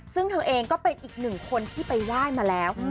ซึ่งเธอเองก็เป็นอีกหนึ่งคนที่ไปไหว้มาแล้ว